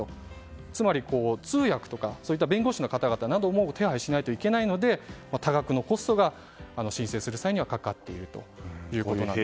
つまり通訳とか弁護士の方々など手配しないといけないので多額のコストが申請する際にかかっているということなんです。